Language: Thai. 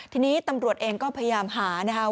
ทีนี้ตำรวจเองก็พยายามหานะครับ